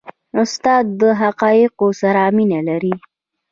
استاد د حقایقو سره مینه لري.